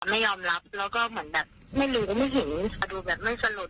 ไม่ยอมรับแล้วก็เหมือนแบบไม่รู้ไม่เห็นค่ะดูแบบไม่สลด